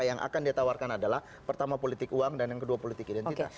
yang ditawarkan adalah pertama politik uang dan yang kedua politik identitas